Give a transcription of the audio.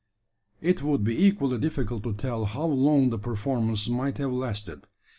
It would be equally difficult to tell how long the performance might have lasted.